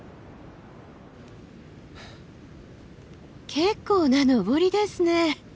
結構な登りですね！